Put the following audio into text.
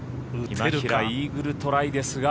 今平、イーグルトライですが。